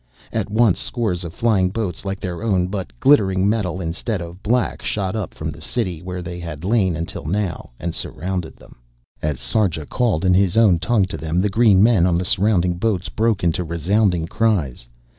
At once scores of flying boats like their own, but glittering metal instead of black, shot up from the city where they had lain until now, and surrounded them. As Sarja called in his own tongue to them the green men on the surrounding boats broke into resounding cries.